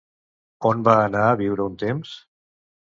On va anar a viure un temps?